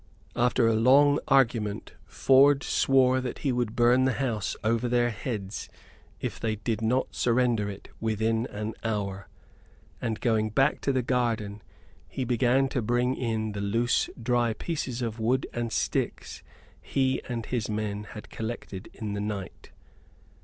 After a long argument Ford swore that he would burn the house over their heads if they did not surrender it within an hour; and, going back to the garden, he began to bring in the loose dry pieces of wood and sticks he and his men had collected in the night.